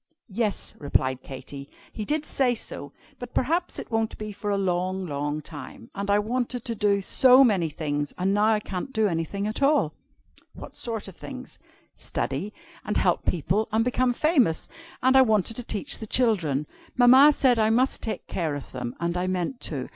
"Yes," replied Katy, "he did say so. But perhaps it won't be for a long, long time. And I wanted to do so many things. And now I can't do anything at all!" "What sort of things?" "Study, and help people, and become famous. And I wanted to teach the children. Mamma said I must take care of them, and I meant to.